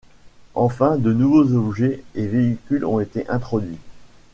Enfin, de nouveaux objets et véhicules ont été introduits.